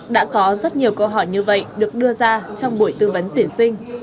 đã có rất nhiều câu hỏi như vậy được đưa ra trong buổi tư vấn tuyển sinh